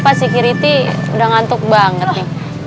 apa security udah ngantuk banget nih